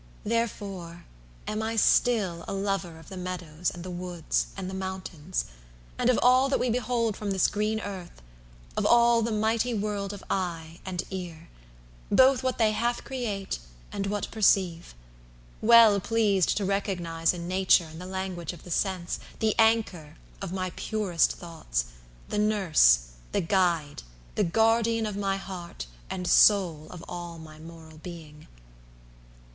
Therefore am I still A lover of the meadows and the woods, And mountains; and of all that we behold From this green earth; of all the mighty world Of eye, and ear,–both what they half create, And what perceive; well pleased to recognise In nature and the language of the sense, The anchor of my purest thoughts, the nurse, The guide, the guardian of my heart, and soul 110 Of all my moral being.